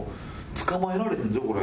捕まえられへんぞこれ。